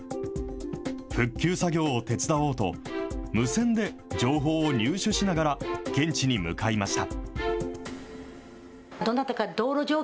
復旧作業を手伝おうと、無線で情報を入手しながら現地に向かいました。